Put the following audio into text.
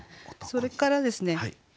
それからですね